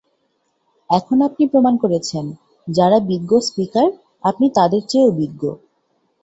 এখন আপনি প্রমাণ করেছেন, যাঁরা বিজ্ঞ স্পিকার, আপনি তাঁদের চেয়েও বিজ্ঞ।